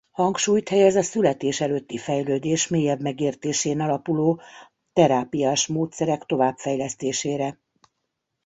Hangsúlyt helyez a születés előtti fejlődés mélyebb megértésén alapuló terápiás módszerek továbbfejlesztésére.